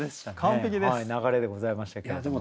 流れでございましたけれども。